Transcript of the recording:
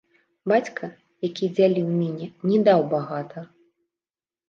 Бацька, як дзяліў міне, ні даў багата.